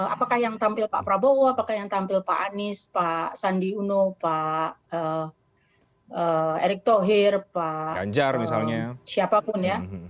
apakah yang tampil pak prabowo apakah yang tampil pak anies pak sandi uno pak erick thohir pak ganjar misalnya siapapun ya